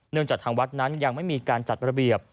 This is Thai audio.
จากทางวัดนั้นยังไม่มีการจัดระเบียบ